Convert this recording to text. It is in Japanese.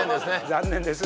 残念です